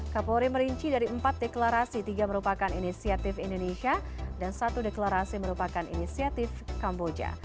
kapolri merinci dari empat deklarasi tiga merupakan inisiatif indonesia dan satu deklarasi merupakan inisiatif kamboja